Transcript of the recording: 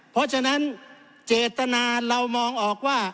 เพราะฉะนั้นเจตนาเรามองออกว่า